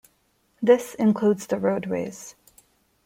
This includes the roadways.